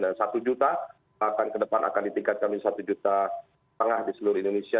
dan rp satu juta akan ke depan akan ditingkatkan menjadi rp satu lima ratus di seluruh indonesia